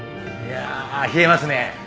いや冷えますね。